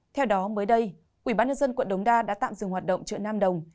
theo đó mới đây ubnd quận đống đa đã tạm dừng hoạt động trợ nam đồng